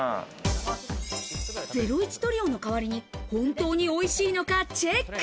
ゼロイチトリオの代わりに本当においしいのかチェック。